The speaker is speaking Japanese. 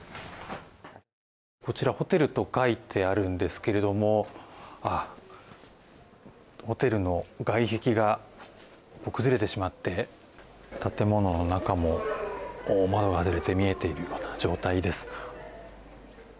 こちらホテルと書いてあるんですけどもホテルの外壁が崩れてしまって建物の中も窓が外れて見えているような状態です。